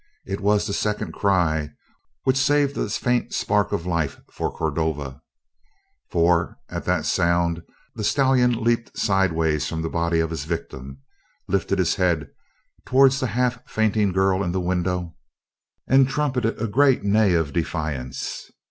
It was that second cry which saved a faint spark of life for Cordova for at the sound the stallion leaped sidewise from the body of his victim, lifted his head towards the half fainting girl in the window, and trumpeted a great neigh of defiance.